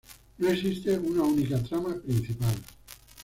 No existe una única trama principal.